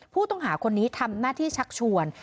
ผู้ต้องหาคนนี้ทำหน้าที่ชักชวน